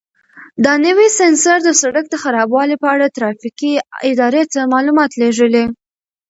دا نوی سینسر د سړک د خرابوالي په اړه ترافیکي ادارې ته معلومات لېږي.